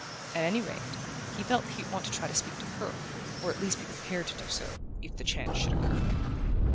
At any rate, he felt he ought to try to speak to HER; or at least be prepared to do so, if the chance should occur...